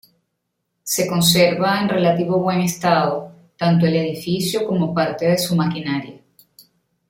Se conserva en relativo buen estado, tanto el edificio como parte de su maquinaria.